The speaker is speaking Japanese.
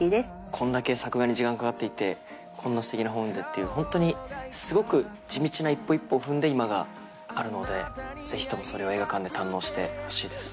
こんだけ作画に時間かかっていてこんなステキな本でっていうホントにすごく地道な一歩一歩を踏んで今があるのでぜひともそれを映画館で堪能してほしいです。